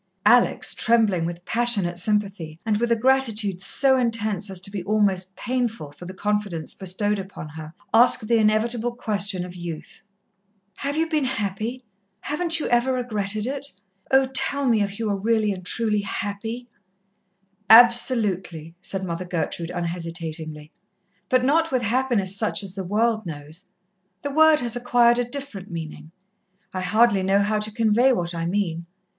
Alex, trembling with passionate sympathy, and with a gratitude so intense as to be almost painful, for the confidence bestowed upon her, asked the inevitable question of youth: "Have you been happy? haven't you ever regretted it? Oh, tell me if you are really and truly happy." "Absolutely," said Mother Gertrude unhesitatingly. "But not with happiness such as the world knows. The word has acquired a different meaning. I hardly know how to convey what I mean.